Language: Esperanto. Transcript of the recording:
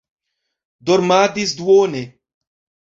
Dormadis duone.